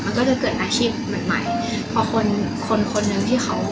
มันก็จะเกิดอาชีพใหม่ใหม่พอคนคนคนหนึ่งที่เขา